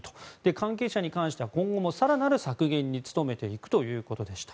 関係者に関しては今後も更なる削減に努めていくということでした。